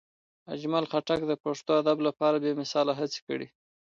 اجمل خټک د پښتو ادب لپاره بې مثاله هڅې کړي.